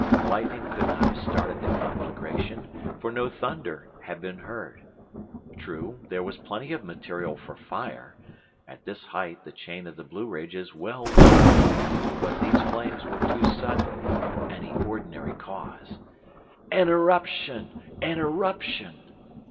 Lightning could not have started the conflagration; for no thunder had been heard. True, there was plenty of material for fire; at this height the chain of the Blueridge is well wooded. But these flames were too sudden for any ordinary cause. "An eruption! An eruption!"